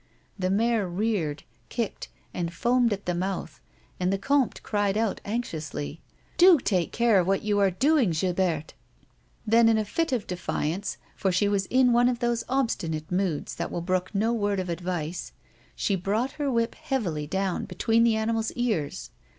The mare reared, kicked, and foamed at the mouth, and the comte cried out anxiously :" Do take care what you are doing, Gilberte !" Then, in a fit of defiance, for she was in one of those obstinate moods that will brook no word of advice, she brought her whip heavily down between the animal's ears.